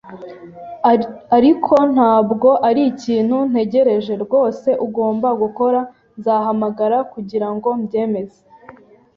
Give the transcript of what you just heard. ariko ntabwo arikintu ntegereje rwose Ugomba gukora Nzahamagara kugirango mbyemeze.